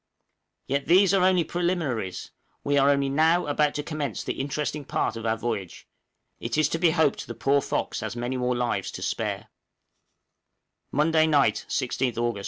Yet these are only preliminaries, we are only now about to commence the interesting part of our voyage. It is to be hoped the poor 'Fox' has many more lives to spare. {CAPE HOTHAM.} _Monday night, 16th Aug.